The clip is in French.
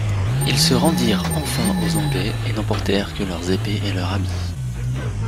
Ils se rendirent enfin aux Anglais et n'emportèrent que leurs épées et leurs habits.